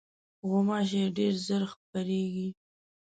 غوماشې ډېر ژر خپرېږي.